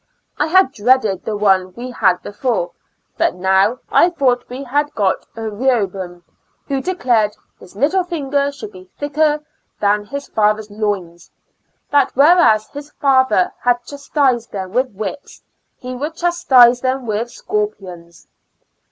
I bad dreaded tbe one we bad before, but now I tbougbt we bad o^ot a Eeboboa^m, wbo declared " bis little fiuger sbould be tbicker tban bis fatber's loins ; tbat wbereas bis fatber bad cbastised tbem witb wbips, be would cbas tise tbem witb scorpions."